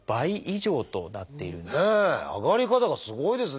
上がり方がすごいですね